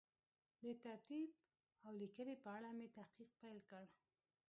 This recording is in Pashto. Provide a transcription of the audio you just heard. د ترتیب او لیکنې په اړه مې تحقیق پیل کړ.